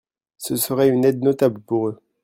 Ce serait une aide notable pour eux.